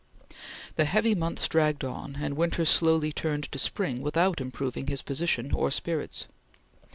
The heavy months dragged on and winter slowly turned to spring without improving his position or spirits.